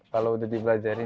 kalau sudah dibelajari